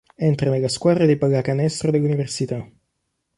Entra nella squadra di pallacanestro dell'università.